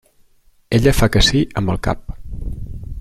Ella fa que sí amb el cap.